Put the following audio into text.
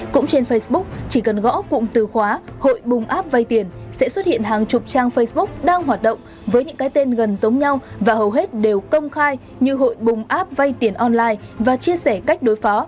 cũng trên facebook chỉ cần gõ cụm từ khóa hội bùng app vay tiền sẽ xuất hiện hàng chục trang facebook đang hoạt động với những cái tên gần giống nhau và hầu hết đều công khai như hội bùng app vay tiền online và chia sẻ cách đối phó